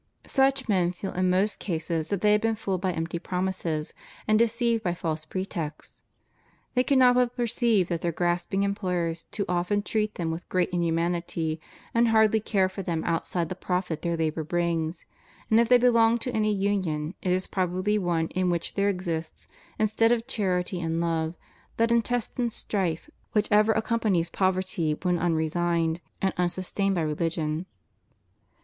Such men feel in most cases that they have been fooled by empty promises and deceived by false pretexts. They cannot but perceive that their grasping employers too often treat them with great inhumanity and hardly care for them outside the profit their labor brings; and if they belong to any vmion, it is probably one in which there exists, instead of charity and love, that intestine strife which ever accompanies poverty when unresigned and unsustained by religion.